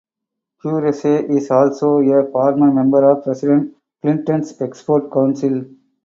Qureshey is also a former member of President Clinton's Export Council.